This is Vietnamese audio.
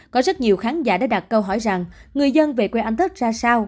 có rất nhiều khán giả đã đặt câu hỏi rằng người dân về quê anh thất ra sao